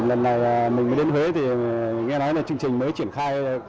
lần này là mình mới đến huế thì nghe nói là chương trình mới triển khai